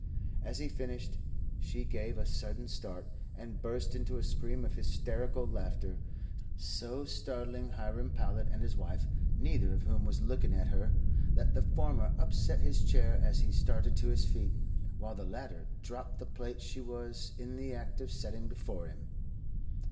As he finished she gave a sudden start, and burst into a scream of hysterical laughter, so startling Hiram Powlett and his wife, neither of whom was looking at her, that the former upset his chair as he started to his feet, while the latter dropped the plate she was in the act of setting before him.